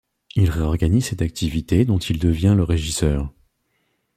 Il réorganise cette activité dont il devient le régisseur.